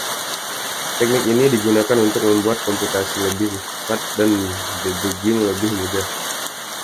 Teknik ini digunakan untuk membuat komputasi lebih cepat dan debugging lebih mudah.